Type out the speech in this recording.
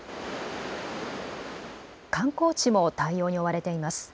観光地も対応に追われています。